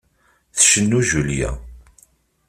Tcennu Julia.